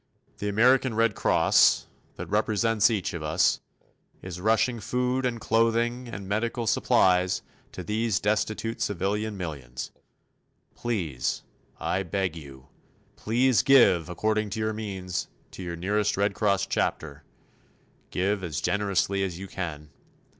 The American Red Cross, that represents each of us, is rushing food and clothing and medical supplies to these destitute civilian millions. Please I beg you please give according to your means to your nearest Red Cross chapter, give as generously as you can.